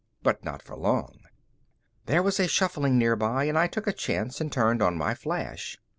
But not for long there was a shuffling nearby and I took a chance and turned on my flash.